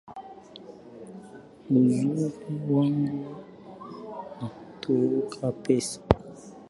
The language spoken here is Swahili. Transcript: Uzuri wangu natoa pesa